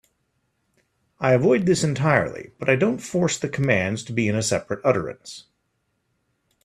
I avoid this entirely, but I don't force the commands to be in a separate utterance.